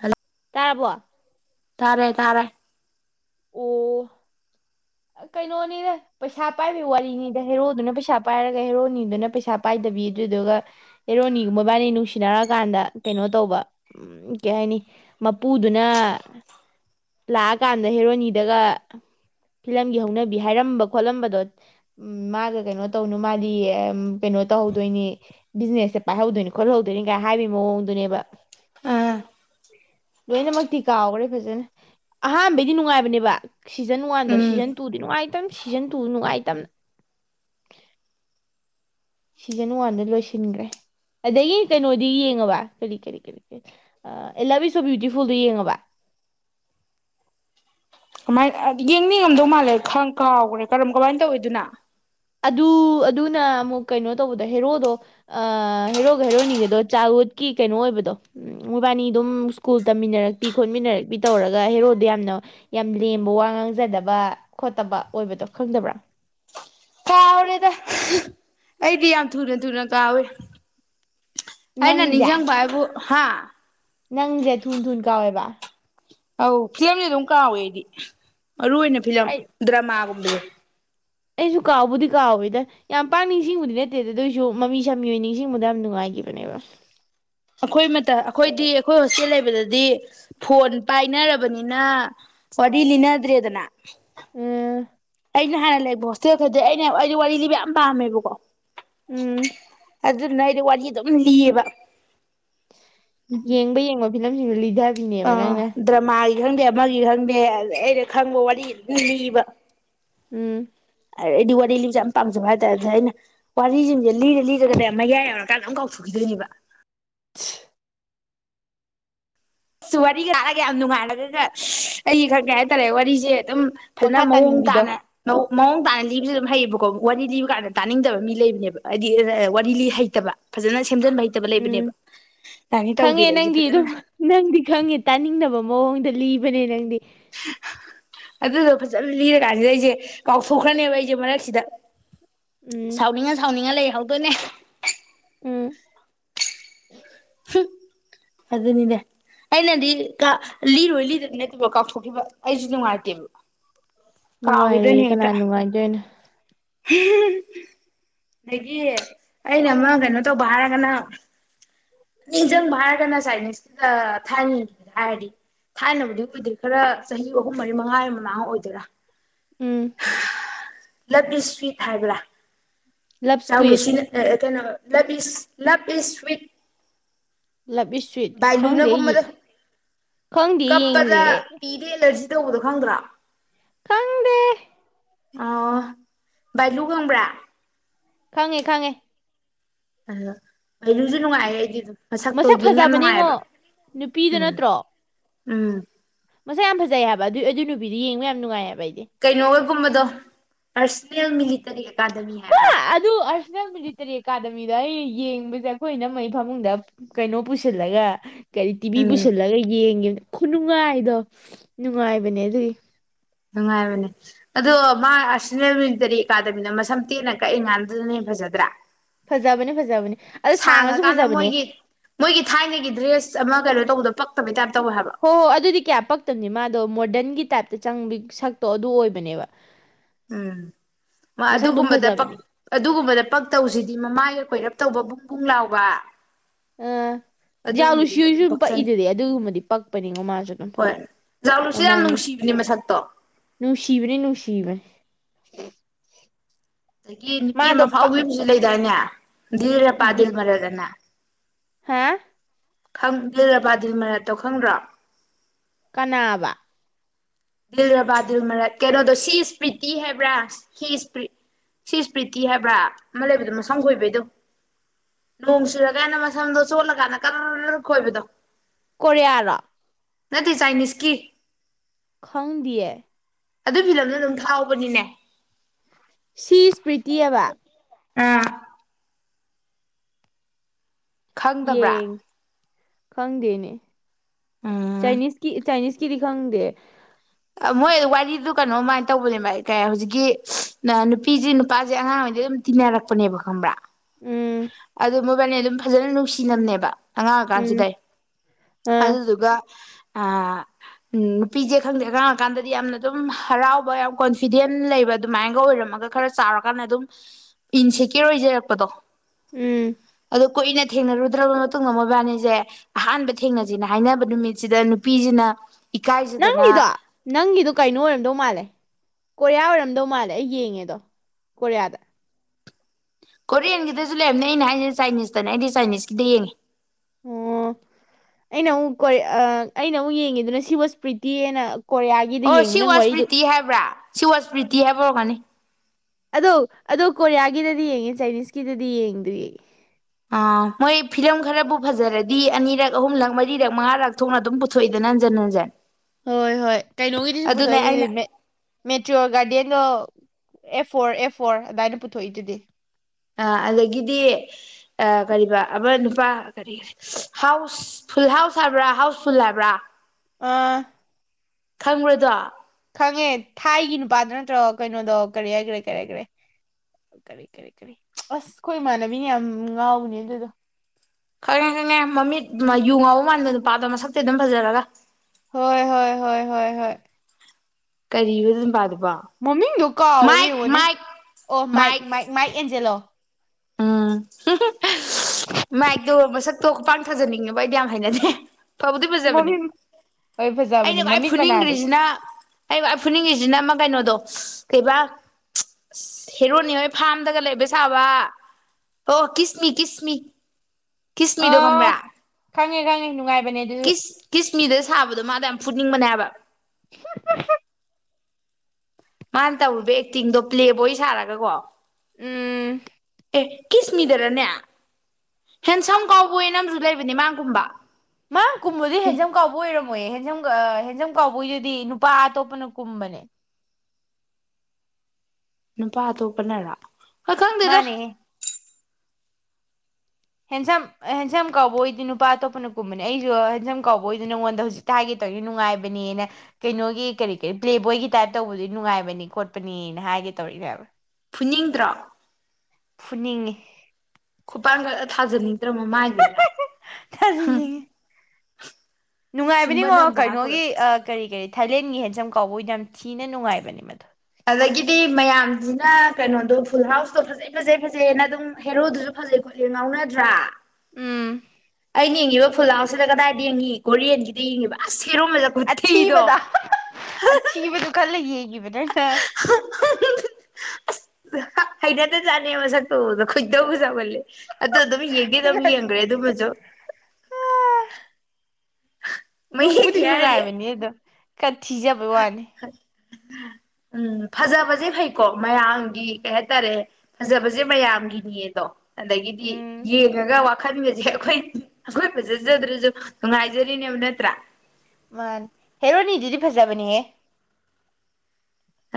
ꯍꯂ ꯇꯔꯥꯕꯣ ꯇꯥꯔꯦ ꯇꯥꯔꯦ ꯑꯣ ꯀꯩꯅꯣꯅꯤꯗ ꯄꯩꯁꯥ ꯄꯥꯏꯕ ꯋꯥꯔꯤꯅꯤꯗ ꯍꯦꯔꯣꯗꯨꯅ ꯄꯩꯁꯥ ꯄꯥꯏꯔꯒ ꯍꯦꯔꯣꯅꯤꯗꯨꯅ ꯄꯩꯁꯥ ꯄꯥꯏꯗꯕꯤ ꯑꯗꯨꯗꯨꯒ ꯍꯦꯔꯣꯅꯤꯒꯨꯝꯕꯕꯥꯅꯤ ꯅꯨꯡꯁꯤꯅꯔꯛꯀꯥꯟꯗ ꯀꯩꯅꯣ ꯇꯧꯕ ꯎ ꯀꯩ ꯍꯥꯏꯅꯤ ꯃꯄꯨꯗꯨꯅ ꯂꯥꯛꯑꯀꯥꯟꯗ ꯍꯦꯔꯣꯅꯤꯗꯒ ꯐꯤꯂꯝꯒꯤ ꯍꯧꯅꯕꯤ ꯍꯥꯏꯔꯝꯕ ꯈꯣꯠꯂꯝꯕꯗꯣ ꯃꯥꯒ ꯀꯩꯅꯣ ꯇꯧꯅꯨ ꯃꯥꯗꯤ ꯀꯩꯅꯣ ꯇꯧꯍꯧꯗꯣꯏꯅꯤ ꯕꯤꯖꯤꯅꯦꯁꯁꯦ ꯄꯥꯏꯍꯧꯗꯣꯏꯅꯤ ꯈꯣꯠꯍꯍꯧꯗꯣꯏꯅꯤ ꯀꯥꯏꯅ ꯍꯥꯏꯕꯒꯤ ꯃꯑꯣꯡꯗꯨꯅꯦꯕ ꯑꯥ ꯂꯣꯏꯅꯃꯛꯇꯤ ꯀꯥꯎꯈ꯭ꯔꯦ ꯐꯖꯅ ꯑꯍꯥꯟꯕꯩꯗꯤ ꯅꯨꯡꯉꯥꯏꯕꯅꯦꯕ ꯁꯤꯖꯟ ꯋꯥꯟꯗꯣ ꯎꯝ ꯁꯤꯖꯟ ꯇꯨꯗꯤ ꯅꯨꯡꯉꯥꯏꯇ ꯁꯤꯖꯟ ꯇꯨ ꯅꯨꯡꯉꯥꯏꯇꯝꯅ ꯁꯤꯖꯟ ꯋꯥꯟꯗ ꯂꯣꯏꯁꯤꯟꯈ꯭ꯔꯦ ꯑꯗꯒꯤ ꯀꯩꯅꯣꯗꯤ ꯌꯦꯡꯉꯕ ꯀꯔꯤ ꯀꯔꯤ ꯀꯔꯤ ꯀ ꯂꯞ ꯏꯁ ꯁꯣ ꯕ꯭ꯌꯨꯇꯤꯐꯨꯜꯗꯣ ꯌꯦꯡꯉꯕ ꯀꯃꯥꯏꯅ ꯌꯦꯡꯅꯤꯡꯉꯝꯗꯧ ꯃꯥꯜꯂꯦ ꯈꯪ ꯀꯥꯎꯈ꯭ꯔꯦ ꯀꯔꯝ ꯀꯃꯥꯏꯅ ꯇꯧꯋꯤꯗꯨꯅ ꯑꯗꯨ ꯑꯗꯨꯅ ꯑꯃꯨꯛ ꯀꯩꯅꯣ ꯇꯧꯕꯗꯣ ꯍꯦꯔꯣꯗꯣ ꯍꯦꯔꯣꯒ ꯍꯦꯔꯣꯏꯅꯤꯒꯗꯣ ꯆꯥꯏꯜꯍꯨꯗꯀꯤ ꯀꯩꯅꯣ ꯑꯣꯏꯕꯗꯣ ꯃꯣꯏꯕꯥꯅꯤ ꯑꯗꯨꯝ ꯁ꯭ꯀꯨꯜ ꯇꯝꯃꯤꯟꯅꯔꯛꯄꯤ ꯈꯣꯠꯃꯤꯟꯅꯔꯛꯄꯤ ꯇꯧꯔꯒ ꯍꯦꯔꯣꯗꯣ ꯌꯥꯝꯅ ꯌꯥꯝ ꯂꯦꯝꯕ ꯋꯥ ꯉꯥꯡꯖꯗꯕ ꯈꯣꯠꯇꯕ ꯑꯣꯏꯕꯗꯣ ꯈꯪꯗꯕ꯭ꯔꯥ ꯌꯥꯗ ꯑꯩ ꯗꯤ ꯌꯥꯝ ꯊꯨꯔ ꯊꯨꯔ ꯀꯋꯦ ꯑꯩꯅ ꯅꯪꯁꯦ ꯅꯤꯡꯖꯪꯕ ꯍꯥꯏꯕꯨ ꯍꯥꯥ ꯅꯪꯁꯦ ꯊꯨꯅ ꯊꯨꯅ ꯀꯥꯎꯋꯦꯕ ꯑꯧ ꯐꯤꯂꯝꯖꯦ ꯑꯗꯨꯝ ꯀꯥꯎꯋꯦ ꯑꯩꯗꯤ ꯃꯔꯨ ꯑꯣꯏ ꯐꯤꯂꯝ ꯑꯩ ꯗ꯭ꯔꯃꯥ ꯒꯨꯝ [unintelligible] ꯑꯩꯁꯨ ꯀꯥꯎꯕꯨꯗꯤ ꯀꯥꯎꯋꯤꯗ ꯌꯥꯝ ꯄꯥꯛ ꯅꯤꯡꯁꯤꯡꯕꯗꯤ ꯅꯠꯇꯦꯗ ꯑꯗꯨꯑꯣꯏꯁꯨ ꯃꯃꯤ ꯁꯥꯝꯃꯤ ꯑꯣꯏꯅ ꯅꯤꯡꯁꯤꯡꯕꯗ ꯌꯥꯝ ꯅꯨꯡꯉꯥꯏꯒꯤꯕꯅꯦꯕ ꯑꯩꯈꯣꯏ ꯃꯇ ꯑꯩꯈꯣꯏꯗꯤ ꯑꯩꯈꯣꯏ ꯍꯣꯁꯇꯦꯜ ꯂꯩꯕꯗꯗꯤ ꯐꯣꯟ ꯄꯥꯏꯅꯔꯕꯅꯤꯅ ꯋꯥꯔꯤ ꯂꯤꯅꯗ꯭ꯔꯦꯗꯅ ꯎꯝ ꯑꯩꯅ ꯍꯥꯟꯅ ꯂꯩꯕ ꯍꯣꯁꯇꯦꯜ ꯊꯗꯤ ꯑꯩꯅ ꯑꯩꯗꯤ ꯋꯥꯔꯤ ꯂꯤꯕ ꯌꯥꯝ ꯄꯥꯝꯃꯦꯕꯀꯣ ꯎꯝ ꯑꯗꯨꯅ ꯑꯩ ꯋꯥꯔꯤ ꯑꯗꯨꯝ ꯂꯤꯌꯦꯕ ꯌꯦꯡꯕ ꯌꯦꯡꯕ ꯐꯤꯂꯝꯁꯤꯡꯗꯨ ꯂꯤꯗ [unintelligible] ꯑ ꯗ꯭ꯔꯃꯥ ꯒꯤ ꯈꯪꯗꯦ ꯑꯃꯒꯤ ꯈꯪꯗꯦ ꯑ ꯑꯩꯅ ꯈꯪꯕ ꯋꯥꯔꯤ ꯑꯗꯨꯝ ꯂꯤꯕ ꯎꯝ ꯑꯩꯗꯤ ꯋꯥꯔꯤ ꯂꯤꯕꯁꯦ ꯌꯥꯝ ꯄꯥꯝꯖꯕ ꯍꯥꯏꯇꯥꯔꯦ ꯑꯗ ꯑꯩꯅ ꯋꯥꯔꯤꯖꯤꯡꯖꯦ ꯂꯤꯔ ꯂꯤꯔꯒꯅꯦ ꯃꯌꯥꯏ ꯌꯎꯔꯀꯥꯟꯗ ꯑꯝ ꯀꯥꯎꯊꯣꯛꯈꯤꯗꯣꯏꯅꯦꯕ ꯑꯁ ꯋꯥꯔꯤꯒ ꯇꯥꯔꯒ ꯌꯥꯝ ꯅꯨꯡꯉꯥꯏꯔꯒꯒ ꯁꯁ ꯑꯩ ꯈꯪ ꯀꯩ ꯍꯥꯏꯇꯥꯔꯦ ꯋꯥꯔꯤꯖꯦ ꯑꯗꯨꯝ ꯐꯖꯅ ꯃꯈꯥ ꯃꯑꯣꯡ ꯇꯥꯅꯤꯡꯕꯤꯗꯣ ꯇꯥꯅ ꯃꯑꯣꯡ ꯃꯑꯣꯡ ꯇꯥꯅ ꯂꯤꯕꯁꯨ ꯑꯗꯨꯝ ꯍꯩꯌꯦꯕꯀꯣ ꯋꯥꯔꯤ ꯂꯤꯕ ꯀꯥꯟꯗ ꯇꯥꯅꯤꯡꯗꯕ ꯃꯤ ꯂꯩꯕꯅꯦꯕ ꯍꯥꯏꯗꯤ ꯔ ꯋꯥꯔꯤ ꯂꯤ ꯍꯩꯇꯕ ꯐꯖꯅ ꯁꯦꯝꯖꯟꯕ ꯍꯩꯇꯕ ꯂꯩꯕꯅꯦꯕ ꯎꯝ ꯑꯗꯥꯏꯅꯗꯤ ꯈꯪꯉꯦ ꯇꯧꯗꯦꯕ ꯑꯩꯖꯦ ꯅꯪꯗꯤ ꯑꯗꯨꯝ ꯐꯖꯅ ꯅꯪꯗꯤ ꯈꯪꯉꯦ ꯇꯥꯅꯤꯡꯅꯕ ꯃꯑꯣꯡꯗ ꯂꯤꯕꯅꯦ ꯅꯪꯗꯤ ꯑꯗꯨꯗꯣ ꯐꯖꯅ ꯂꯤꯔ ꯀꯥꯟꯁꯤꯗ ꯑꯩꯖꯦ ꯀꯥꯎꯊꯣꯛꯈ꯭ꯔꯅꯦꯕ ꯑꯩꯖꯦ ꯃꯔꯛꯁꯤꯗ ꯎꯝ ꯁꯥꯎꯅꯤꯡꯉ ꯁꯥꯎꯅꯤꯡꯉ ꯂꯩ ꯍꯧ ꯑꯗꯨꯅꯦ ꯎꯝ ꯑꯗꯨꯅꯤꯅꯦ ꯑꯩꯅꯗꯤ ꯀꯥ ꯂꯤꯔꯣꯏ ꯂꯤꯗꯗꯤ ꯅꯠꯇꯦꯕ ꯀꯥꯞꯊꯣꯛꯈꯤꯕ ꯑꯩꯁꯨ ꯅꯨꯡꯉꯥꯏꯇꯦꯕ ꯅꯨꯡꯉꯥꯏꯔꯣꯏꯌꯦ ꯀꯥꯎꯈꯤꯗꯣꯏꯅꯦ ꯀꯅꯥ ꯍꯦꯛꯇ ꯅꯨꯡꯉꯥꯏꯗꯣꯏꯅꯣ ꯑꯗꯒꯤ ꯑꯩꯅ ꯑꯃ ꯀꯩꯅꯣ ꯇꯧꯕ ꯍꯥꯏꯔꯒꯅ ꯅꯤꯡꯖꯪꯕ ꯍꯥꯏꯔꯒꯅ ꯆꯥꯏꯅꯤꯁꯀꯤꯗ ꯊꯥꯏꯅꯒꯤ ꯍꯥꯏꯔꯗꯤ ꯊꯥꯏꯅꯕꯨꯗꯤ ꯑꯣꯏꯗ꯭ꯔꯤ ꯈꯔ ꯆꯍꯤ ꯑꯍꯨꯝ ꯃꯔꯤ ꯃꯉꯥꯒꯤ ꯃꯃꯥꯡ ꯑꯣꯏꯗꯣꯏꯔꯥ ꯎꯝ ꯂꯕ ꯏꯁ ꯁ꯭ꯋꯤꯠ ꯍꯥꯏꯕ꯭ꯔꯥ ꯂꯞ ꯖꯥꯎ ꯏꯁꯀ꯭ꯋꯤꯠ ꯂꯨꯁꯤꯅ ꯑ ꯑ ꯀꯩꯅꯣ love is love is sweet love is sweet ꯈꯪꯗꯦ ꯑꯩ ꯕꯥꯏꯂꯨꯅꯒꯨꯝꯕꯗ ꯌꯦꯡ ꯈꯪꯗꯦ ꯑꯩ ꯀꯞꯄꯗ ꯌꯦꯡꯗ꯭ꯔꯤꯌꯦ ꯄꯤꯗ ꯑꯦꯂꯔꯖꯤ ꯇꯧꯕꯗꯣ ꯈꯪꯗ꯭ꯔꯣ ꯈꯪꯗꯦ ꯑꯣ ꯕꯥꯥꯏꯂꯨ ꯈꯪꯕ꯭ꯔꯥ ꯈꯡꯉꯦ ꯈꯡꯉꯦ ꯑꯗꯨ ꯑꯩꯔꯨꯁꯨ ꯅꯨꯡꯉꯥꯏꯦ ꯑꯩꯗꯤ ꯃꯁꯛꯇꯣ ꯃꯁꯛ ꯌꯦꯡ ꯌꯥꯝ ꯐꯖꯕꯅꯦꯉꯣ ꯅꯨꯟꯉꯥꯏꯑꯕ ꯎꯝ ꯎꯝ ꯃꯁꯥ ꯌꯥꯝ ꯐꯖꯩꯌꯦ ꯍꯥꯏꯕ ꯑꯗꯨꯏ ꯑꯗꯨ ꯅꯨꯄꯤꯗꯨ ꯌꯦꯡꯕ ꯌꯥꯝ ꯅꯨꯡꯉꯥꯏꯑꯕ ꯀꯩꯅꯣꯒꯒꯨꯝꯕꯗꯣ ꯑꯁ ꯌꯥꯝ ꯋꯥ ꯑꯗꯨ ꯑꯔꯁꯅꯦꯜ ꯃꯤꯂꯤꯇꯔꯤ ꯑꯦꯀꯥꯗꯃꯤꯗ ꯑꯩ ꯌꯦꯡꯕꯁꯦ ꯑꯩꯈꯣꯏꯅ ꯃꯩ ꯐꯃꯨꯡꯗ ꯀꯩꯅꯣ ꯄꯨꯁꯤꯜꯂꯒ ꯀꯔꯤ ꯇꯤꯚꯤ ꯎꯝ ꯄꯨꯁꯤꯜꯂꯒ ꯌꯦꯡꯉꯦꯅꯣ ꯈꯨꯅꯨꯡꯉꯥꯏꯗꯣ ꯅꯨꯡꯉꯥꯏꯕꯅꯦ ꯑꯗꯨꯒꯤ ꯅꯨꯡꯉꯥꯏꯕꯅꯦ ꯑꯗꯣ ꯃꯥ ꯑꯁꯅꯦꯜ ꯃꯤꯂꯤꯇꯔꯤ ꯑꯦꯀꯥꯗꯃꯤꯅ ꯃꯁꯝ ꯇꯦꯠꯅ ꯀꯛꯏꯀꯥꯟꯗꯨꯗꯅ ꯍꯦ ꯐꯖꯗ꯭ꯔꯥ ꯐꯖꯕꯅꯦ ꯐꯖꯕꯅꯦ ꯑꯗꯣ ꯁꯥꯡꯉꯁꯨ ꯁꯥꯡꯉꯀꯥꯟꯗ ꯐꯖꯕꯅꯦ ꯃꯣꯏꯒꯤ ꯃꯣꯏꯒꯤ ꯊꯥꯏꯅꯒꯤ ꯗ꯭ꯔꯦꯁ ꯑꯃ ꯀꯩꯅꯣ ꯇꯧꯕꯗ ꯄꯛꯇꯕ ꯍꯥꯏꯇꯥꯔꯦ ꯍꯣ ꯍꯣ ꯑꯗꯨꯗꯤ ꯀꯌꯥ ꯄꯛꯇꯕꯅꯤ ꯃꯥꯗꯣ ꯃꯣꯗꯔꯟꯒꯤ ꯇꯥꯏꯞ ꯆꯡꯕ ꯁꯛꯇꯣ ꯑꯗꯨ ꯑꯣꯏꯕꯅꯦꯕ ꯎꯝ ꯃꯥ ꯃꯁꯛ ꯑꯗꯨꯝ ꯑꯗꯨꯒꯨꯝꯕꯗ ꯄꯛ ꯐꯖꯕꯅꯦ ꯑꯗꯨꯒꯨꯝꯕꯗ ꯄꯛ ꯇꯧꯁꯤꯗꯤ ꯃꯃꯥꯏꯒ ꯀꯣꯏꯔꯞ ꯇꯧꯕ ꯄꯨꯡ ꯄꯨꯡ ꯂꯥꯎ ꯋꯥ ꯎꯝ ꯌꯥ ꯂꯨꯁꯤꯨꯁꯨ ꯑꯗꯨꯝ ꯄꯛꯆꯅꯤ ꯄꯛꯏꯗꯗꯤ ꯑꯗꯨꯒꯨꯝꯕꯗꯤ ꯄꯛꯄꯅꯤ ꯉꯃꯁꯨ ꯑꯗꯨꯝ ꯍꯣꯏ ꯖꯥꯛꯂꯨꯛꯁꯦ ꯌꯥꯝ ꯃꯃꯥꯡꯉꯩ ꯅꯨꯡꯁꯤꯕꯅꯦ ꯃꯁꯛꯇꯣ ꯅꯨꯡꯁꯤꯕꯅꯤ ꯅꯨꯡꯁꯤꯕꯅꯤ ꯎꯝ ꯑꯗꯒꯤ ꯅꯨꯄꯤ ꯑꯃ ꯐꯥꯎꯕꯤ ꯑꯃꯁꯁꯨ ꯂꯩꯗꯥꯏꯅꯦ ꯙꯤꯔ ꯒꯤ ꯄꯗꯤꯜ ꯃꯔꯗꯅ ꯍꯥ ꯈꯡ ꯗꯤꯜꯔꯕ ꯗꯤꯜ ꯃꯔꯠꯇꯧ ꯈꯡꯗ꯭ꯔꯣ ꯀꯅꯥꯕ ꯗꯤꯜꯕꯥ ꯜ ꯃꯔ ꯀꯩꯅꯣꯗꯣ ꯁꯤ ꯏꯁꯄ꯭ꯔꯤꯇꯤ ꯍꯥꯏꯕ꯭ꯔꯥꯔꯤ ꯁꯤ ꯏꯁꯄ꯭ꯔꯤꯇꯤ ꯍꯥꯏꯕ꯭ꯔꯥ ꯑꯃ ꯂꯩꯕꯗꯣ ꯃꯁꯝ ꯈꯣꯏꯕꯩꯗꯣ ꯅꯣꯡ ꯆꯨꯔꯀꯥꯟꯗ ꯃꯁꯝꯗꯣ ꯆꯣꯠꯂꯀꯥꯟꯗ ꯀ ꯈꯣꯏꯕꯗꯣ ꯀꯨꯔꯤꯌꯔꯣ ꯟꯇꯦ ꯆꯥꯏꯅꯤꯁꯀꯤ ꯈꯡꯗꯦꯌꯦ ꯑꯗꯨ ꯐꯤꯂꯝꯗꯣ ꯑꯗꯨꯝ ꯊꯥꯎꯕꯅꯤꯅꯦ ꯁꯤ ꯏꯁ ꯄꯔꯏꯇꯤ ꯍꯥ ꯕꯥ ꯎꯝ ꯈꯡꯗꯕ꯭ꯔꯥ ꯈꯡꯗꯅꯦ ꯎꯝ ꯆꯅꯤꯁꯀꯤ ꯆꯅꯤꯁ ꯀꯗꯤ ꯈꯡꯗꯦ ꯃꯣꯏ ꯋꯥꯔꯤꯗꯨ ꯀꯩꯅꯣꯃꯥꯏꯅ ꯇꯧꯕꯅꯦꯕ ꯀ ꯍꯧꯖꯤꯛꯀꯤ ꯅꯨꯄꯤꯁꯤ ꯅꯨꯄꯥꯁꯦ ꯑꯉꯥꯡꯑꯣꯏꯔꯤ ꯉꯦꯗꯒꯤ ꯑꯗꯨꯝ ꯇꯤꯟꯅꯔꯛꯄꯅꯦꯕ ꯈꯡꯕ꯭ꯔꯥ ꯎꯝ ꯑꯗꯨ ꯃꯣꯏꯕꯥꯅꯦ ꯑꯗꯨꯝ ꯐꯖꯅ ꯅꯨꯡꯁꯤꯅꯕꯅꯦꯕ ꯎꯝ ꯑꯉꯥꯡꯑꯀꯥꯟꯁꯤꯗ ꯑꯥ ꯑꯗꯨꯗꯨꯒ ꯑ ꯎ ꯅꯨꯄꯤꯁꯦ ꯈꯪꯗꯦꯉꯥꯡꯉꯀꯥꯟꯗꯗꯤ ꯌꯥꯝꯅ ꯑꯗꯨꯝ ꯍꯔꯥꯎꯕ ꯌꯥꯝ ꯀꯣꯟꯐꯤꯗꯦꯟ ꯂꯩꯕ ꯑꯗꯨꯃꯥꯏꯅꯒ ꯑꯣꯏꯔꯝꯃꯒ ꯈꯔ ꯆꯥꯎꯔꯀꯥꯟꯗ ꯑꯗꯨꯝ ꯏꯟ ꯁꯦꯀꯦꯌꯔ ꯑꯣꯏꯖꯔꯛꯄꯗꯣ ꯎꯝ ꯑ ꯀꯨꯏꯅ ꯊꯦꯡꯅꯔꯨꯗ꯭ꯔꯕ ꯃꯇꯨꯡꯗ ꯃꯣꯏꯕꯥꯅꯤꯁꯦ ꯑꯍꯥꯟꯕ ꯊꯦꯡꯅꯁꯤꯅ ꯍꯥꯏꯅꯕ ꯅꯨꯃꯤꯠꯁꯤꯗ ꯅꯨꯄꯤꯁꯤꯅ ꯅꯪꯒꯤꯗꯣ ꯏꯀꯥꯏꯖꯗꯅ ꯅꯪꯒꯤꯗꯣ ꯀꯩꯅꯣ ꯑꯣꯏꯔꯝꯗꯧ ꯃꯥꯜꯂꯦ ꯀꯣꯔꯤꯌꯥ ꯑꯣꯏꯔꯝꯗꯧ ꯃꯥꯜꯂꯦ ꯑꯩ ꯌꯦꯡꯉꯦꯗꯣ ꯀꯣꯔꯤꯌꯥꯗ ꯀꯣꯔꯤꯌꯟꯒꯤꯗꯁꯨ ꯂꯩꯔꯝꯅꯦ ꯑꯩꯅ ꯍꯥꯏꯁꯦ ꯆꯥꯏꯅꯤꯁꯇꯅꯦ ꯑꯩꯗꯤ ꯆꯥꯏꯅꯤꯁꯀꯤꯗ ꯌꯦꯡꯉꯦ ꯑꯣ ꯑꯩꯅ ꯑꯃꯨꯛ ꯀ ꯑꯩꯅ ꯑꯃꯨꯛ ꯌꯦꯡꯉꯤꯗꯨꯅ ꯁꯤ ꯋꯥꯁ ꯄ꯭ꯔꯤꯇꯤꯅ ꯑꯣ ꯁꯤꯋꯥꯁꯄ꯭ꯔꯤꯇꯤ ꯍꯥꯏꯕ꯭ꯔꯥ ꯁꯤꯋꯥꯁ ꯄ꯭ꯔꯤꯇꯤ ꯍꯥꯏꯕ ꯍꯧꯔꯛꯒꯅꯤ ꯑꯗꯣ ꯑꯗꯣ ꯀꯣꯔꯤꯌꯥꯒꯤꯗꯗꯤ ꯌꯦꯡꯉꯦ ꯆꯥꯏꯅꯤꯁꯀꯤꯗꯗꯤ ꯌꯦꯡꯗ꯭ꯔꯤꯌꯦ ꯑꯥ ꯃꯣꯏ ꯐꯤꯂꯝ ꯈꯔꯕꯨ ꯐꯖꯔꯗꯤ ꯑꯅꯤꯔꯛ ꯑꯍꯨꯝꯂꯛ ꯃꯔꯤꯔꯛ ꯃꯉꯥꯔꯛ ꯊꯣꯛꯅ ꯑꯗꯨꯝ ꯄꯨꯊꯣꯛꯏꯗꯅ ꯍꯟꯖꯤꯟ ꯍꯟꯖꯤꯟ ꯍꯣꯏ ꯍꯣꯏ ꯀꯩꯅꯣꯒꯤꯗꯤꯁꯨ ꯄꯨꯊꯣꯛꯑꯏ ꯑꯩꯅ ꯑꯗꯨꯗꯤ ꯃꯦꯇ꯭ꯔꯣ ꯒꯥꯔꯗꯤꯟꯗꯣ ꯑꯦ ꯐꯣꯔ ꯑꯦ ꯐꯣꯔ ꯑꯗꯨꯃꯏꯅ ꯄꯨꯊꯣꯛꯏꯗꯨꯗꯤ ꯑ ꯑꯗꯒꯤꯗꯤ ꯀꯔꯤꯕ ꯑꯃ ꯅꯨꯄꯥ ꯀꯔꯤ ꯍꯥꯎꯁ ꯐꯨꯜ ꯍꯥꯎꯁ ꯍꯥꯏꯕ꯭ꯔꯥ ꯍꯥꯎꯁ ꯐꯨꯜ ꯍꯥꯏꯕ꯭ꯔꯥ ꯑꯥ ꯈꯪꯕ꯭ꯔꯗꯣ ꯈꯪꯉꯦ ꯊꯥꯏꯒꯤ ꯅꯨꯄꯥꯗ ꯅꯠꯇ꯭ꯔꯣ ꯀꯩꯅꯣꯗꯣ ꯀꯔꯤ ꯍꯥꯏꯈ꯭ꯔꯦ ꯀꯔꯤ ꯍꯥꯏꯈ꯭ꯔꯦ ꯀꯔꯤ ꯀꯔꯤ ꯀꯔꯤ ꯑꯁ ꯑꯩꯈꯣꯏ ꯏꯃꯥꯟꯅꯕꯤꯅ ꯌꯥꯝ ꯉꯥꯎꯕꯅꯦ ꯑꯗꯨꯗꯣ ꯈꯪꯉꯦ ꯈꯪꯉꯦ ꯃꯃꯤꯠ ꯌꯨꯡꯉꯕ ꯃꯥꯟꯕꯗ ꯅꯨꯄꯥꯗꯣ ꯃꯁꯛꯇꯤ ꯑꯗꯨꯝ ꯐꯖꯔꯒ ꯍꯣꯏ ꯍꯣꯏ ꯍꯣꯏ ꯍꯣꯏ ꯍꯣꯏ ꯀꯔꯤ ꯑꯣꯏ ꯑꯗꯨ ꯅꯨꯄꯗꯣ ꯃꯃꯤꯡꯗꯨ ꯀꯥꯎꯔꯦꯉꯅꯦ ꯑꯣ ꯃꯥꯏꯛꯥꯏ ꯃꯥꯏꯛ ꯑꯦꯟꯖꯦꯜꯂꯣ ꯑꯝ ꯃꯗ ꯃꯁ ꯇꯣ ꯄꯥꯡ ꯊꯥꯖꯅꯤꯡꯉꯦ ꯚ ꯑꯩꯗꯤ ꯌꯥꯝ ꯍꯥꯏꯅꯅꯦ ꯐꯥꯎꯗꯤ ꯐꯖꯕꯅꯦ ꯃꯃꯤꯡ ꯍꯣꯏ ꯐꯖꯕꯅꯦ ꯑꯩꯅ ꯋꯥꯥꯏ ꯃꯃꯤꯠ ꯃꯅꯥꯗꯨ ꯐꯨꯅꯤꯡꯈ꯭ꯔꯤꯁꯤꯅ ꯑꯩꯩꯅ ꯥꯏ ꯐꯨꯅꯤꯡꯉꯤꯁꯤꯅ ꯀꯩꯅꯣꯗꯣ ꯀꯩꯕ ꯍꯦꯔꯣꯅꯤ ꯍꯣꯏ ꯐꯥꯔꯝꯗꯒ ꯂꯩꯕ ꯁꯥꯕ ꯑꯣ ꯀꯤꯁꯃꯤ ꯀꯤꯁꯃꯤ ꯀꯤꯁꯃꯤꯗ ꯑꯥ ꯈꯝꯕ꯭ꯔꯥ ꯈꯪꯉꯦ ꯈꯪꯉꯦ ꯅꯨꯡꯉꯥꯏꯕꯅꯦ ꯑꯗꯨꯁꯨ ꯀꯤꯁꯃꯤꯗ ꯁꯥꯕꯗ ꯑꯗꯨ ꯃꯥꯗꯤ ꯌꯥꯝ ꯐꯨꯠꯅꯤꯡꯕꯅꯦꯕ [inaudible] ꯃꯥꯅ ꯇꯧꯔꯤꯕ ꯑꯦꯛꯇꯤꯡꯗꯣ ꯄ꯭ꯂꯦꯕꯣꯏ ꯁꯥꯔꯒꯀꯣ ꯎꯝ ꯀꯤꯁꯃꯤꯗꯔꯅꯦ ꯍꯦꯟꯁꯝ ꯀꯧꯕꯦꯅ ꯑꯃꯁꯁꯨ ꯂꯩꯕꯅꯤ ꯃꯥꯡꯒꯨꯝꯕ ꯃꯥꯌꯥꯝ ꯀꯨꯝꯕꯗꯤ ꯍꯦꯟꯖꯝ ꯀꯥꯎꯕ ꯑꯣꯏꯔꯝꯒ ꯍꯦꯟꯖ ꯍꯦꯟꯖꯝ ꯀꯕꯒꯤꯗꯨꯗꯤ ꯅꯨꯄꯥ ꯑꯇꯣꯞꯄꯅ ꯀꯨꯝꯕꯅꯦ ꯅꯨꯄꯥ ꯑꯇꯣꯞꯄꯅꯔ ꯍꯣꯏ ꯈꯪꯗꯦꯗ ꯃꯥꯅꯦꯍꯦ ꯍꯦꯟꯁꯝ ꯍꯦꯟꯁꯝ ꯀ ꯑꯣꯏꯗꯤ ꯅꯨꯄꯥ ꯑꯇꯣꯞꯄꯅ ꯀꯨꯝꯕꯅꯦ ꯑꯩꯁꯨ ꯍꯦꯟꯁꯝ ꯀꯥꯎ ꯑꯣꯏꯗꯨꯅ ꯅꯪꯉꯣꯟꯗ ꯍꯧꯖꯤꯛꯇ ꯍꯥꯏꯒꯦ ꯇꯧꯔꯤꯅꯦ ꯅꯨꯡꯉꯥꯏꯕꯅꯤꯅ ꯀꯩꯅꯣꯒꯤ ꯀꯔꯤ ꯀꯔꯤ ꯄ꯭ꯂꯦꯕꯣꯏꯒꯤ ꯇꯥꯏꯞ ꯇꯧꯕꯗꯨ ꯅꯨꯡꯉꯥꯏꯕꯅꯤ ꯈꯣꯠꯄꯅꯤꯅ ꯍꯥꯏꯒꯦ ꯇꯧꯔꯤꯅꯦꯕ ꯐꯅꯤꯡꯗ꯭ꯔꯥ ꯐꯨꯅꯤꯡꯉꯤ ꯈꯨ ꯑꯒ ꯊꯥꯖꯅꯤ ꯇꯔꯥ ꯃꯃꯥꯏꯗꯨꯗꯥ ꯍꯨꯝ ꯊꯥꯖꯤꯟꯅꯤꯡꯉꯤ ꯅꯨꯡꯉꯥꯏꯕꯅꯤꯉꯣ ꯀꯩꯅꯣꯒꯤ ꯁꯛ ꯁꯛ ꯁꯛ ꯁꯛ ꯀꯔꯤ ꯀꯔꯤ ꯊꯥꯏꯂꯦꯟꯒꯤ ꯍꯦꯜ ꯁꯝ ꯀꯕ ꯌꯥꯝ ꯊꯤꯅ ꯅꯨꯡꯉꯥꯏꯕꯅꯦ ꯃꯗꯣ ꯑꯗꯒꯤꯗꯤ ꯃꯌꯥꯝꯁꯤꯅ ꯀꯩꯅꯣꯗꯣ ꯐꯨꯜ ꯍꯥꯎꯁꯇꯣ ꯐꯖꯩ ꯐꯖꯩ ꯐꯖꯦꯅ ꯑꯗꯨꯝ ꯍꯦꯔꯣꯗꯨꯁꯨ ꯐꯖꯩ ꯈꯣꯠꯂꯦ ꯉꯥꯎꯅꯗ꯭ꯔꯥ ꯎꯝ ꯑꯩꯅ ꯌꯦꯡꯉꯤꯕ ꯐꯨꯜꯂꯥꯎꯁꯤꯗ ꯀꯗꯥꯏꯗ ꯌꯦꯡꯉꯤ ꯒꯣꯔꯦꯟꯒꯤꯗ ꯌꯦꯡꯉꯤꯕ ꯑꯁ ꯍꯦꯔꯣ ꯃꯁꯛ ꯈꯨꯊꯤꯗꯣ ꯑꯊꯤꯕꯗ ꯑꯊꯤꯕꯗꯨ ꯈꯜꯂ ꯌꯦꯒꯤꯝ ꯕꯥꯗꯔ ꯁꯥ ꯍꯩꯅꯗ ꯖꯥꯠꯅꯤ ꯃꯁꯛꯇꯨ ꯎꯕꯗꯨ ꯈꯣꯌꯗꯧ ꯁꯥꯑꯣꯒꯠꯅꯤ ꯑꯗꯨ ꯑꯗꯨꯝ ꯌꯦꯡꯒꯦ ꯑꯗꯨꯝ ꯌꯦꯡꯈ꯭ꯔꯦ ꯑꯗꯨꯃꯁꯨ ꯅꯨꯡꯕꯨꯗꯤ ꯃꯌꯦꯛꯀꯤ ꯍꯥꯏꯔꯗꯤ ꯅꯨꯡꯉꯥꯏꯕꯅꯤ ꯑꯗꯣ ꯀꯠ ꯊꯤꯖꯕꯩ ꯋꯥꯅꯤ ꯎꯝ ꯐꯖꯕꯁꯦ ꯐꯩꯀꯣ ꯃꯌꯥꯝꯒꯤ ꯀꯩ ꯍꯥꯏꯇꯥꯔꯦ ꯐꯖꯕꯁꯦ ꯃꯌꯥꯝꯒꯤꯅꯤꯌꯦꯗꯣ ꯑꯗꯒꯤꯗꯤ ꯎꯝ ꯌꯦꯡꯉꯒ ꯈꯟꯕꯁꯦ ꯑꯩꯈꯣꯏ ꯑꯩꯈꯣꯏ ꯐꯖꯖꯗ꯭ꯔꯁꯨ ꯅꯨꯡꯉꯥꯏꯖꯔꯤꯅꯦꯕ ꯅꯠꯇ꯭ꯔꯥ ꯃꯥꯥꯟ ꯍꯦꯔꯅꯤꯗꯨꯗꯤ ꯐꯖꯕꯅꯤꯍꯦ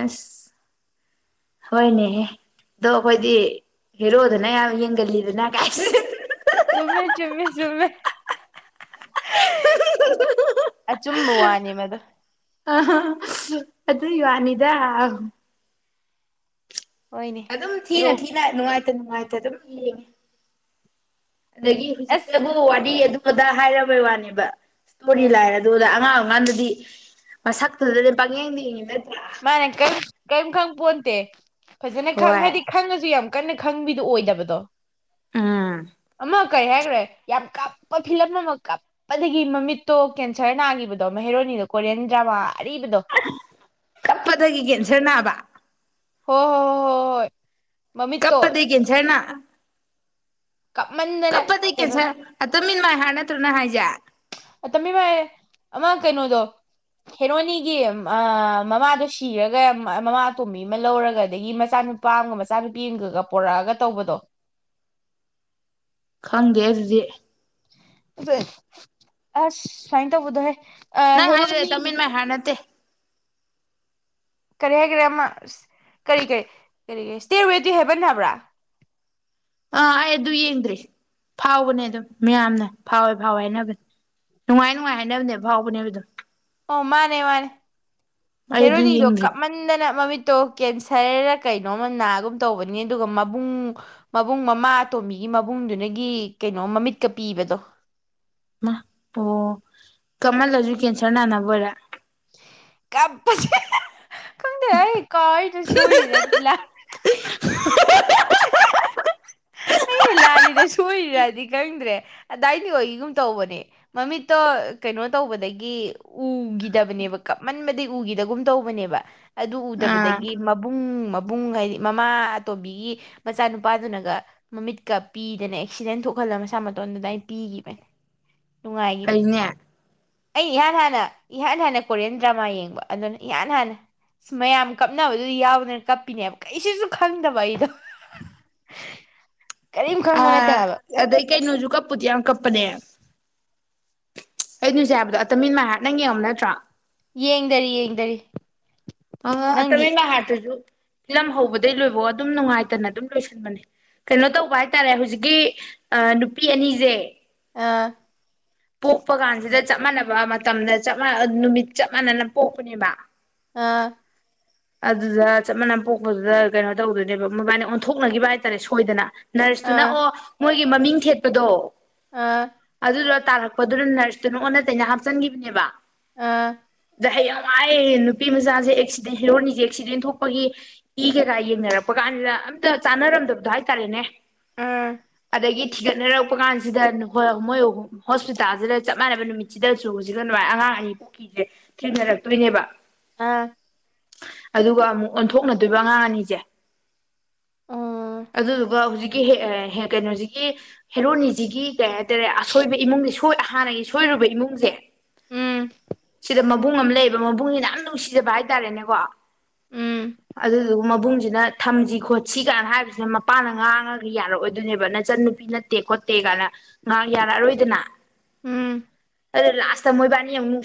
ꯑꯁ ꯍꯣꯏꯅꯦꯍꯦ ꯑꯗꯣ ꯑꯩꯈꯣꯏꯗꯤ ꯍꯦꯔꯣꯗꯅ ꯌꯥꯝ ꯌꯦꯡꯒꯜꯂꯤꯗꯅ ꯀꯥꯏ ꯆꯨꯝꯃꯦ ꯆꯨꯝꯃꯦ ꯆꯨꯝꯃꯦ ꯑꯆꯨꯝꯕ ꯋꯥꯅꯤ ꯃꯗꯨ ꯑ ꯑꯗꯨ ꯋꯥꯅꯤꯗ ꯍꯣꯏꯅꯦ ꯑꯗꯨꯝ ꯍꯦꯔꯣ ꯊꯅ ꯊꯅꯅꯨꯡ ꯉꯥꯏꯇꯦ ꯑꯗꯨꯝ ꯌꯦꯡꯧ ꯑꯗꯒꯤ ꯑꯁ ꯍꯧꯖꯤꯛꯇꯕꯨ ꯋꯥꯔꯤ ꯑꯗꯨꯝ ꯑꯣꯗ ꯍꯥꯏꯔꯕꯩ ꯋꯥꯅꯦꯕ ꯇꯣꯔꯤ ꯂꯅ ꯑꯗꯨꯗ ꯀꯥꯟꯗꯗꯤ ꯃꯁꯛꯇꯨꯗꯅꯦ ꯄꯥꯡꯌꯦꯡ ꯌꯦꯡꯉꯤꯗ ꯇꯦ ꯐꯖꯅ ꯈꯡ ꯍꯣꯏ ꯍꯥꯏꯗꯤ ꯈꯡꯉꯁꯨ ꯌꯥꯝ ꯀꯟꯅ ꯈꯡꯕꯤꯗꯨ ꯑꯣꯏꯗꯕꯗꯣ ꯎꯝ ꯑꯃ ꯀꯩ ꯍꯥꯏꯒ꯭ꯔꯦ ꯌꯥꯝ ꯀꯥꯞ ꯀꯄ ꯐꯤꯂꯝ ꯑꯃ ꯀꯥꯞꯄꯗꯒꯤ ꯃꯃꯤꯠꯇꯣ ꯀꯦꯟꯁꯔ ꯅꯥꯒꯤꯕꯗꯣ ꯃꯍꯦꯔꯣꯅꯤꯗꯣ ꯀꯣꯔꯤꯌꯟ ꯗ꯭ꯔꯃꯥ ꯑꯔꯤꯕꯗꯣ꯫ ꯀꯞꯄꯗꯒꯤ ꯀꯦꯟꯁꯔ ꯅꯥꯕ꯫ ꯍꯣ ꯍꯣ ꯍꯣ ꯍꯣ ꯍꯣꯏ꯫ ꯃꯃꯤꯠꯇꯣ ꯀꯞꯄꯗꯩ ꯀꯦꯟꯁꯔ ꯅꯥꯑ ꯀꯞꯃꯟꯗꯅ ꯀꯩꯅꯣ ꯇꯝ ꯑꯤꯟ ꯃꯥꯏ ꯍꯥꯠ ꯅꯠꯇ꯭ꯔꯣ ꯅꯪ ꯍꯥꯏꯖꯦ꯫ ꯑꯇꯣꯝꯕꯤ ꯃꯩ ꯑꯃ ꯀꯩꯅꯣꯗꯣ ꯍꯦꯔꯣꯅꯤꯒꯤ ꯑ ꯃꯃꯥꯗꯣ ꯁꯤꯔꯒ ꯃꯃꯥ ꯑꯇꯣꯝꯕꯤ ꯑꯃ ꯂꯧꯔꯒ ꯑꯗꯒꯤ ꯃꯆꯥꯅꯨꯄꯥ ꯑꯃꯒ ꯃꯆꯥꯅꯨꯄꯤ ꯑꯃꯒꯒ ꯄꯣꯔꯛꯑꯒ ꯇꯧꯕꯗꯣ꯫ ꯍꯪꯗꯦ ꯑꯗꯨꯗꯤ꯫ [unintelligible] ꯑꯁ ꯁꯥꯏ ꯇꯧꯕꯗꯣꯍꯦ꯫ ꯅꯪ ꯍꯥꯏꯗꯣ ꯑꯟꯇꯝ ꯍꯦꯔꯣꯅꯤ ꯑꯤꯟ ꯃꯥꯏ ꯍꯥꯔꯗ ꯅꯠꯇꯦ꯫ ꯀꯔꯤ ꯍꯥꯏꯒꯔꯦ ꯑꯃ ꯑꯁ ꯀꯩ ꯀꯩ ꯀꯔꯤ ꯏꯁꯇꯦ ꯋꯤꯠ ꯗꯤ ꯍꯦꯕꯟ ꯍꯥꯏꯕꯔ꯫ ꯑꯥ ꯑꯩ ꯑꯗꯨ ꯌꯦꯡꯗ꯭ꯔꯤ ꯐꯥꯎꯕꯅꯦ ꯑꯗꯨꯝ ꯃꯌꯥꯝꯅ ꯐꯥꯎꯋꯦ ꯐꯥꯎꯋꯦ ꯍꯥꯏꯅꯕꯅꯦ ꯅꯨꯡꯉꯥꯏ ꯅꯨꯡꯉꯥꯏ ꯍꯥꯏꯅꯕꯅꯦ ꯐꯥꯎꯕꯅꯦꯕ ꯑꯗꯨꯝ꯫ ꯑꯣ ꯃꯥꯅꯦ ꯃꯥꯅꯦ ꯑꯩ ꯑꯗꯨ ꯍꯦꯔꯣꯅꯤꯗꯣ ꯌꯦꯡꯗ꯭ꯔꯤ ꯀꯞꯃꯟꯗꯅ ꯃꯃꯤꯠꯇꯣ ꯀꯦꯟꯁꯔ ꯁꯔ ꯔ ꯀꯩꯅꯣꯝꯃ ꯅꯥꯒꯨꯝ ꯇꯧꯕꯅꯤ ꯑꯗꯨꯒ ꯃꯕꯨꯡ ꯃꯕꯨꯡ ꯃꯃꯥ ꯑꯇꯣꯝꯕꯤꯒꯤ ꯃꯕꯨꯡꯗꯨꯅꯒꯤ ꯀꯩꯅꯣ ꯃꯃꯤꯠꯀ ꯄꯤꯕꯗꯣ꯫ ꯃ ꯑꯣ ꯀꯃꯜꯂꯖꯨ ꯀꯦꯟꯁꯔ ꯅꯅꯕꯣꯔꯦ꯫ ꯀꯞꯄ [unintelligible] ꯈꯪꯗꯦ ꯑꯩ ꯀꯥꯎꯋꯦꯔ ꯁꯣꯏꯔꯤꯔ ꯂꯥꯜ [unintelligible] [unintelligible] ꯑꯩꯅ ꯂꯥꯜꯂꯤꯔ ꯁꯣꯏꯔꯤꯔꯗꯤ ꯈꯪꯗ꯭ꯔꯦ ꯑꯗꯥꯏꯗꯤ ꯑꯣꯏꯒꯤꯒꯨꯝ ꯇꯧꯕꯅꯦ ꯃꯃꯤꯠꯇꯣ ꯀꯩꯅꯣ ꯇꯧꯕꯗꯒꯤ ꯎꯒꯤꯗꯕꯅꯦꯕ ꯀꯞꯃꯟꯕꯗꯒꯤ ꯎꯒꯤꯗꯒꯨꯝ ꯇꯧꯕꯅꯦꯕ꯫ ꯑꯗꯨ ꯑꯥ ꯎꯗꯕꯗꯒꯤ ꯃꯕꯨꯡ ꯃꯥꯕꯨ ꯕꯨꯡ ꯍꯥꯏꯗꯤ ꯃꯃꯥ ꯑꯇꯣꯕꯤꯒꯤ ꯃꯆꯥꯅꯨꯄꯥꯗꯨꯅꯒ ꯃꯃꯤꯠꯀ ꯄꯤꯗꯅ ꯑꯦꯛꯁꯤꯗꯦꯟ ꯊꯣꯛꯍꯜꯂ ꯃꯁꯥ ꯃꯇꯣꯟꯗ ꯑꯗꯥꯏ ꯄꯤꯒꯤꯕꯅꯤ꯫ ꯅꯨꯡꯉꯥꯏꯒꯤꯕꯅꯤ꯫ ꯐꯩꯅꯦ ꯑꯩ ꯏꯍꯥꯟ ꯍꯥꯟꯅ ꯏꯍꯥꯟ ꯍꯥꯟꯅ ꯀꯣꯔꯤꯌꯥꯟ ꯗ꯭ꯔꯃꯥ ꯌꯦꯡꯕ ꯑꯗꯨꯅ ꯏꯍꯥꯟ ꯍꯥꯟꯅ ꯃꯌꯥꯝ ꯀꯞꯅꯕꯗꯨꯗ ꯌꯥꯎꯗꯅ ꯀꯞꯄꯤꯅꯦꯕ ꯀꯩꯁꯨꯖꯨ ꯈꯪꯗꯕ ꯑꯩꯗꯣ꯫ ꯀꯔꯤꯝ ꯑ ꯈꯪꯕ ꯅꯠꯇꯦ ꯍꯥꯏꯕ ꯑꯗꯩ ꯀꯩꯅꯣꯖꯨ ꯀꯞꯄꯨꯗꯤ ꯌꯥꯝ ꯀꯞꯄꯅꯦ꯫ ꯑꯩꯩꯅ ꯍꯧꯖꯤꯛ ꯍꯥꯏꯕꯗꯣ ꯑꯟꯇꯝ ꯑꯤꯟ ꯃꯥꯏ ꯍꯥꯔꯗ ꯅꯪ ꯌꯦꯡꯉꯝꯃ ꯅꯠꯇ꯭ꯔꯣ꯫ ꯌꯦꯡꯗꯔꯤ ꯌꯦꯡꯗꯔꯤ꯫ ꯑ ꯑꯟꯇꯝ ꯅꯪꯗꯤ ꯑꯤꯟ ꯃꯥꯏ ꯍꯥꯔꯗꯇꯨꯖꯨ꯫ ꯐꯤꯂꯝ ꯍꯧꯕꯗꯩ ꯂꯣꯏꯕꯧ ꯑꯗꯨꯝ ꯅꯨꯡꯉꯥꯏꯇꯅ ꯑꯗꯨꯝ ꯂꯣꯏꯁꯟꯕꯅꯦ ꯀꯩꯅꯣ ꯇꯧꯕ ꯍꯥꯏꯇꯥꯔꯦ ꯍꯧꯖꯤꯛꯀꯤ ꯑ ꯅꯨꯄꯤ ꯑꯅꯤꯖꯦ ꯑꯥ꯫ ꯄꯣꯛꯄ ꯀꯥꯟꯖꯤꯗ ꯆꯞ ꯃꯥꯟꯅꯕ ꯃꯇꯝꯗ ꯆꯞ ꯃꯅ ꯅꯨꯃꯤꯠ ꯆꯞ ꯃꯥꯟꯅꯅ ꯄꯣꯛꯄꯅꯦꯕ꯫ ꯑ꯫ ꯑꯗꯨꯗ ꯆꯞ ꯃꯥꯟꯅ ꯄꯣꯛꯄꯗꯨꯗ ꯀꯩꯅꯣ ꯇꯧꯗꯣꯏꯅꯦꯕ ꯃꯕꯥꯅꯤ ꯑꯣꯟꯊꯣꯛꯅꯒꯤꯕ ꯍꯥꯏꯇꯥꯔꯦ ꯁꯣꯏꯗꯅ꯫ ꯅꯔꯁꯇꯨꯅ ꯑꯥ ꯑꯣ ꯃꯣꯏ ꯑꯩꯒꯤ ꯃꯃꯤꯡ ꯊꯦꯠꯄꯗꯣ꯫ ꯑ꯫ ꯇꯥꯔꯛ ꯂꯞꯄꯗꯨꯅ ꯅꯔꯁꯇꯨꯅ ꯑꯣꯟꯅ ꯇꯩꯅ ꯍꯥꯞꯆꯤꯟꯈꯤꯕꯅꯦꯕ ꯑꯥ ꯑꯗ ꯍꯌꯦ ꯌꯥꯝꯉꯥꯏꯑꯌꯦ ꯅꯨꯄꯤ ꯃꯆꯥꯁꯦ ꯑꯦꯛꯁꯤꯗꯦꯟ ꯍꯔꯣꯟꯅꯤꯁꯦ ꯑꯦꯛꯁꯤꯗꯦꯟ ꯊꯣꯛꯄꯒꯤ ꯏ ꯀꯩꯀꯥ ꯌꯦꯡꯅꯔꯛꯄ ꯀꯥꯟꯁꯤꯗ ꯑꯝꯇ ꯆꯥꯟꯅꯔꯝꯗꯕꯗꯣ ꯍꯥꯏꯇꯥꯔꯦꯅꯦ ꯑꯥ ꯑꯗꯒꯤ ꯊꯤꯒꯠꯅꯔ ꯂꯄ ꯀꯥꯟꯁꯤꯗꯣꯏ ꯃꯣꯏꯑꯝ ꯍꯣꯁꯄꯤꯇꯥꯜꯁꯤꯗ ꯆꯞ ꯃꯥꯟꯅꯕ ꯅꯨꯃꯤꯠꯁꯤꯗꯁꯨ ꯍꯧꯖꯤꯛꯀ ꯑꯗꯨꯃꯥꯏꯅ ꯑꯉꯥꯡ ꯑꯅꯤ ꯄꯨꯈ꯭ꯔꯤꯁꯦ ꯊꯦꯡꯅꯔꯛꯇꯣꯏꯅꯦꯕ ꯑꯥ ꯑꯗꯨꯒ ꯑꯃꯨꯛ ꯑꯣꯟꯊꯣꯛꯅꯗꯣꯏꯕ ꯑꯉꯥꯡ ꯑꯅꯤꯁꯦ ꯑꯗꯨꯗꯨꯒ ꯍꯧꯖꯤꯛ ꯩꯅꯣꯒꯤ ꯍꯦꯔꯣꯅꯤ ꯀ ꯑꯁꯣꯏ ꯣꯏ ꯍꯥꯟꯅꯒꯤ ꯁꯣꯏꯔꯨꯕ ꯏꯃꯨꯡꯁꯦ ꯎꯝ ꯁꯤꯗ ꯃꯕꯨꯡ ꯑꯃ ꯂꯩꯌꯦꯕ ꯃꯕꯨꯡꯁꯤꯅ ꯌꯥꯝ ꯅꯨꯡꯁꯤꯖꯕ ꯍꯥꯏꯇꯥꯔꯦꯅꯦꯀꯣ ꯎꯝ ꯑꯗꯨꯗꯨꯒ ꯃꯕꯨꯡꯁꯤꯅ ꯊꯝꯁꯤ ꯈꯣꯠꯁꯤ ꯀꯥꯏꯅ ꯍꯥꯏꯕꯁꯤꯅ ꯃꯄꯥꯅ ꯉꯥꯡꯉꯒ ꯌꯥꯔꯛꯑꯣꯏꯗꯣꯏꯅꯦꯕ ꯅꯆꯟ ꯅꯨꯄꯤ ꯅꯠꯇꯦ ꯈꯣꯠꯇꯦ ꯀꯥꯏꯅ ꯉꯥ ꯌꯥꯔꯛꯑꯔꯣꯏ ꯏꯇꯅꯥ ꯎꯝ ꯑ ꯂꯥꯁꯁ ꯃꯣꯏꯕꯕꯥꯅꯤ